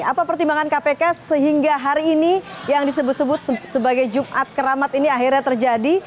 apa pertimbangan kpk sehingga hari ini yang disebut sebut sebagai jumat keramat ini akhirnya terjadi